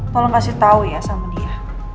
tolong kasih tahu ya sama dia